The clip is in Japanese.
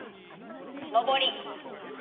「上り」。